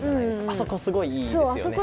あそこすごいいいですよね。